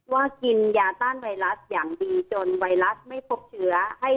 ว่ากินยาต้านไวรัสอย่างดีจนไวรัสไม่พบเชื้อ